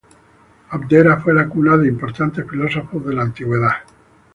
Abdera fue la cuna de importantes filósofos de la Antigüedad.